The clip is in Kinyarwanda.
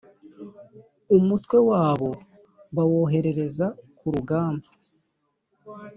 umutwe wabo bawoherereza ku rugamba